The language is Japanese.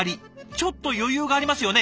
ちょっと余裕がありますよね。